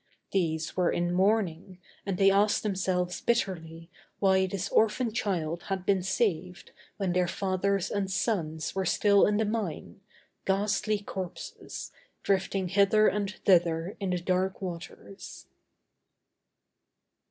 These were in mourning, and they asked themselves bitterly why this orphan child had been saved when their fathers and sons were still in the mine, ghastly corpses, drifting hither and thither in the dark waters.